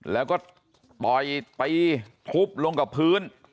แล้วก็ต่อยตีทุบลงกับพื้น